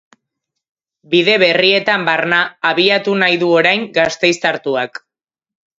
Bide berrietan barna abiatu nahi du orain gasteiztartuak.